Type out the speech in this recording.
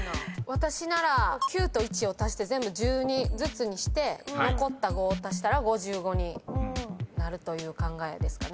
私なら９と１を足して全部１０ずつにして残った５を足したら「５５」になるという考えですかね。